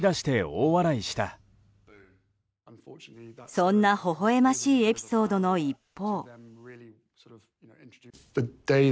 そんな、ほほ笑ましいエピソードの一方。